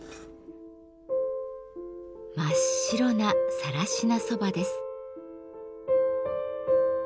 真っ白な更科蕎麦です。